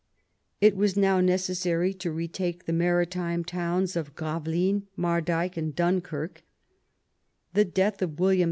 It was now necessary to retake the maritime towns of Gravelines, Mardyke, and Dunkirk The death of William II.